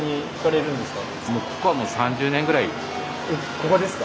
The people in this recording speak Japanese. ここですか？